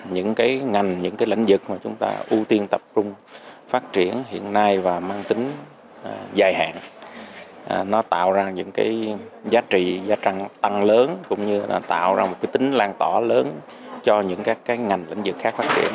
những cái ngành những cái lãnh vực mà chúng ta ưu tiên tập trung phát triển hiện nay và mang tính dài hạn nó tạo ra những cái giá trị giá trăng nó tăng lớn cũng như là tạo ra một cái tính lan tỏa lớn cho những các cái ngành lĩnh vực khác phát triển